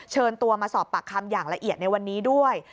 เชิญตัวมาสอบปากคำอย่างละเอียดในวันนี้ด้วย